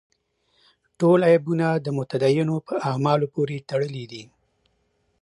ټول عیبونه د متدینو په اعمالو پورې تړلي دي.